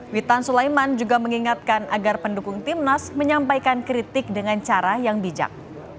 witan sulaiman juga mengingatkan agar pendukung timnas menyampaikan kritik dengan cara yang bijak